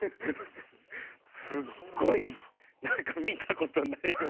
すっごい何か見たことないような。